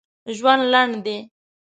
ژوند لنډ دي!